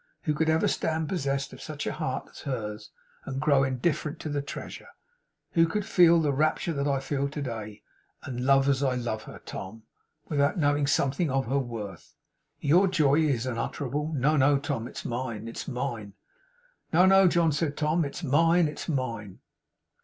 Who could ever stand possessed of such a heart as hers, and grow indifferent to the treasure! Who could feel the rapture that I feel to day, and love as I love her, Tom, without knowing something of her worth! Your joy unutterable! No, no, Tom. It's mine, it's mine. 'No, no, John,' said Tom. 'It's mine, it's mine.